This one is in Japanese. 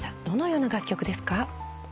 どのような楽曲ですか？